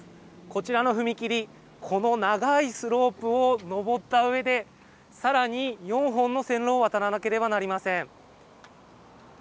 こちらの踏切、この長いスロープを上ったうえで、さらに４本の線路を渡らなければなりません。